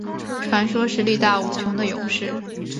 传说是力大无穷的勇士。